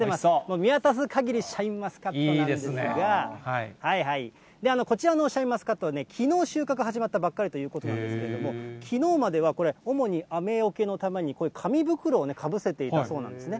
見渡すかぎりシャインマスカットなんですが、こちらのシャインマスカットはね、きのう収穫始まったばっかりということなんですけれども、きのうまではこれ、主に雨よけのために、こういう紙袋をかぶせていたそうなんですね。